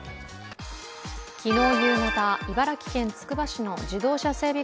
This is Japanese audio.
昨日夕方、茨城県つくば市の自動車整備